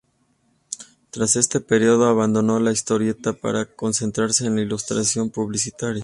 Tras este periodo abandonó la historieta para centrarse en la ilustración publicitaria.